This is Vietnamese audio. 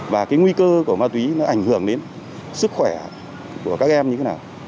và cái nguy cơ của ma túy nó ảnh hưởng đến sức khỏe của các em như thế nào